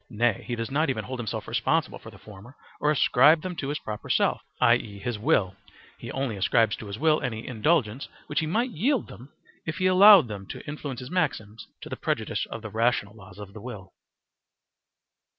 Nay, he does not even hold himself responsible for the former or ascribe them to his proper self, i.e., his will: he only ascribes to his will any indulgence which he might yield them if he allowed them to influence his maxims to the prejudice of the rational laws of the will.